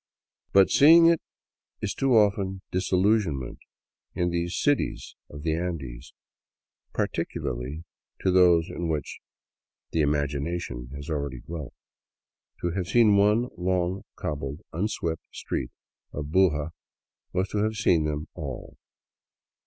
But seeing is too often disillusionment in these " cities " of the Andes, particu larly those in which the imagination has already dwelt. To have seen one long, cobbled, unswept street of Buga was to have seen them all.